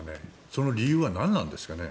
その理由は何なんですかね。